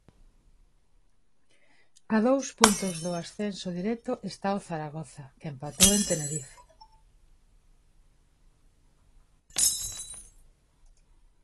A dous puntos do ascenso directo está o Zaragoza, que empatou en Tenerife.